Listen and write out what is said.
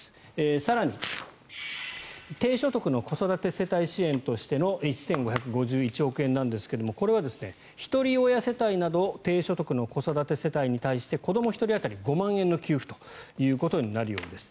更に低所得の子育て世帯支援としての１５５１億円なんですがこれは、ひとり親世帯など低所得の子育て世帯に対して子ども１人当たり５万円の給付ということになるようです。